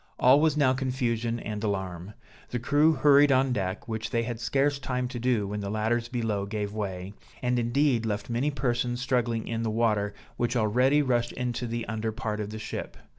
All was now confusion and alarm; the crew hurried on deck, which they had scarce time to do when the ladders below gave way, and indeed left many persons struggling in the water, which already rushed into the under part of the ship.